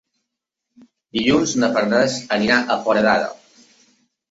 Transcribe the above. Dilluns na Farners anirà a Foradada.